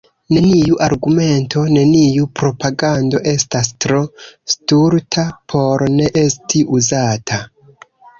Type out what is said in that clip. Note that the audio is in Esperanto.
Neniu argumento, neniu propagando estas tro stulta por ne esti uzata.